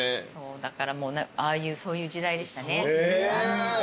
だからもうそういう時代でしたね。